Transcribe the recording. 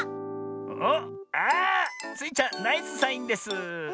おっあスイちゃんナイスサインです。